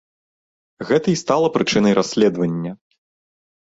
Гэта і стала прычынай расследавання.